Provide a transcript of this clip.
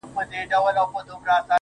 o پاڅه چي ځو ترې ، ه ياره.